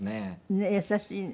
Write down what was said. ねえ優しいね。